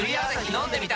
飲んでみた！